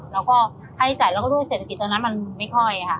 เราก็ให้จ่ายเราก็ด้วยเศรษฐกิจตอนนั้นมันไม่ค่อยค่ะ